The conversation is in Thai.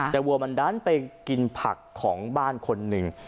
แต่วัวมันดันไปกินผักของบ้านคนหนึ่ง